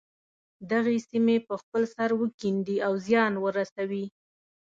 دغه سیمې په خپل سر وکیندي او زیان ورسوي.